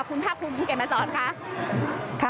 ขอบคุณภาพภูมิภูเกียร์มาสอนค่ะ